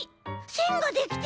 せんができてる！